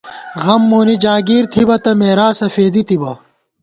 غم مونی جاگیر تھِبہ تہ مېراثہ فېدِی تِبہ